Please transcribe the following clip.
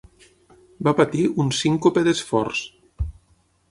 Va patir un síncope d'esforç.